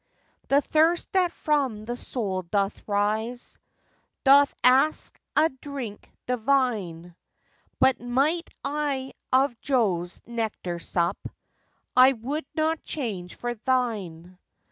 The thirst that from the soul doth rise Doth ask a drink divine; But might I of Jove's nectar sup, I would not change for thine.